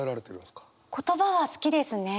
言葉は好きですね。